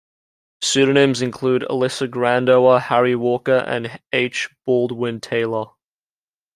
Pseudonyms include "Elissa Grandower," "Harry Walker" and "H. Baldwin Taylor.